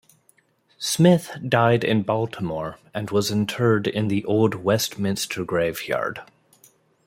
Smith died in Baltimore and was interred in the Old Westminster Graveyard.